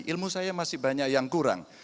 ilmu saya masih banyak yang kurang